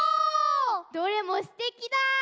どれもすてきだ！